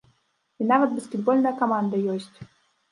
І нават баскетбольная каманда ёсць.